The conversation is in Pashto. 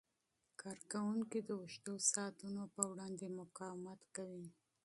کارکوونکي د اوږدو ساعتونو په وړاندې مقاومت کوي.